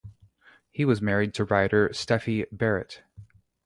He was married to writer Steffi Barrett.